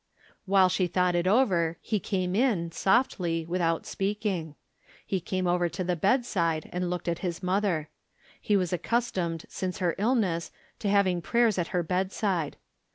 Wliile she thought it over he came in, softlj^, without speaking. He came over to the bedside and looked at his mother. He was accustomed since her iUness to having prayers at her bedside.